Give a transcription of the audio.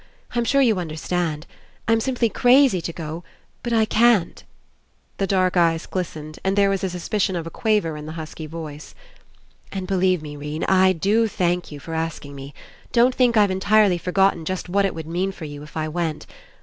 I'm sure you understand. I'm simply crazy to go, but I can't." The dark eyes glistened and there was a suspicion of a quaver in the husky voice. "And believe me, 'Rene, I do thank you for 35 PASSING asking me. Don't think I've entirely forgotten just what it would mean for you if I went.